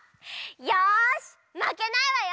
よしまけないわよ！